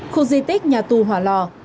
khu di tích nhà tù hòa lò